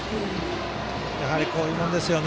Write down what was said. こういうものですよね。